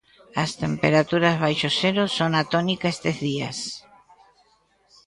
As temperaturas baixo cero son a tónica estes días.